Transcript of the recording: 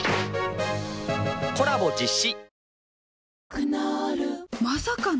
クノールまさかの！？